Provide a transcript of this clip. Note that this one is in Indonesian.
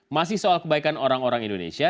masih soal kebaikan orang orang indonesia